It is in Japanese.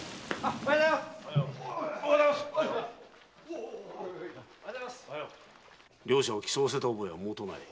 おはよう！両者を競わせた覚えは毛頭ない。